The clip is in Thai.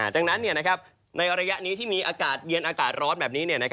ดังนั้นในระยะนี้ที่มีอากาศเย็นอากาศร้อนแบบนี้